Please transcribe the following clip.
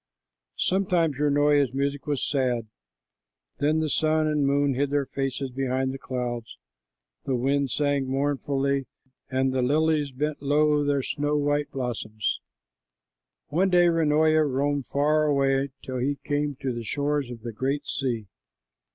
Sometimes Runoia's music was sad. Then the sun and the moon hid their faces behind the clouds, the wind sang mournfully, and the lilies bent low their snow white blossoms. One day Runoia roamed far away till he came to the shores of the great sea.